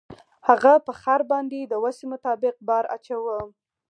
هغه په خر باندې د وسې مطابق بار اچاوه.